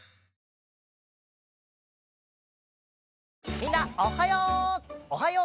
みんなおはよう！